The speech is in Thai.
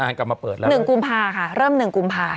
เริ่ม๑กุมภาค่ะ